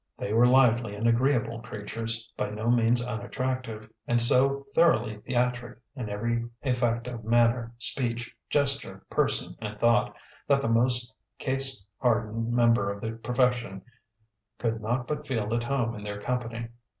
They were lively and agreeable creatures, by no means unattractive, and so thoroughly theatric in every effect of manner, speech, gesture, person, and thought, that the most case hardened member of the profession could not but feel at home in their company.